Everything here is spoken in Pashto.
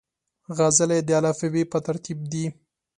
غزلې د الفبې پر ترتیب دي.